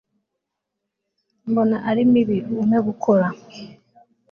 mbona ari mibi, umpe gukora